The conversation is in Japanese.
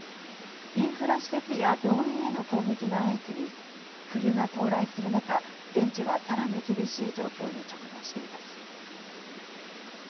インフラ施設や病院への攻撃が相次ぎ冬が到来する中現地は、さらに厳しい状況に直面しています。